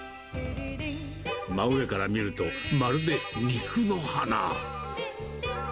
真上から見ると、まるで肉の花。